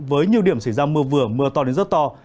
với nhiều điểm xảy ra mưa vừa mưa to đến rất to